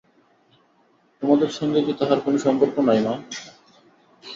তোমাদের সঙ্গে কি তাহার কোনো সম্পর্ক নাই মা?